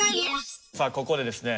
さあここでですね